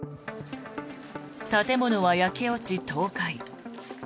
建物は焼け落ち倒壊。